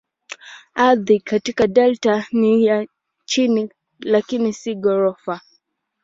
Ardhi katika delta ni ya chini lakini si ghorofa.